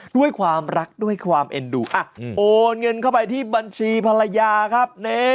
ด้วยความรักด้วยความเอ็นดูโอนเงินเข้าไปที่บัญชีภรรยาครับ